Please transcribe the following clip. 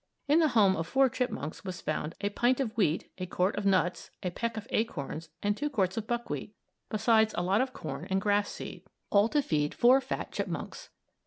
In the home of four chipmunks was found a pint of wheat, a quart of nuts, a peck of acorns, and two quarts of buckwheat, besides a lot of corn and grass seed; all to feed four fat chipmunks.